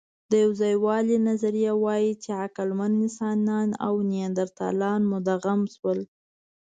د یوځایوالي نظریه وايي، چې عقلمن انسانان او نیاندرتالان مدغم شول.